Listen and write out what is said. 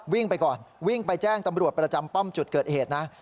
วิ่งไปก่อนวิ่งไปแจ้งตำรวจประจำป้อมจุดเกิดเหตุนะ